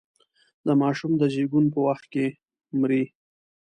د ماشوم د زېږون په وخت کې مري.